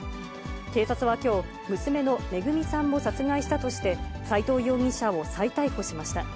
警察はきょう、娘の恵さんも殺害したとして、斎藤容疑者を再逮捕しました。